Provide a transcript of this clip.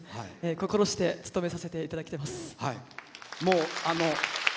心して務めさせていただきます。